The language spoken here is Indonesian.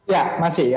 ya masih ya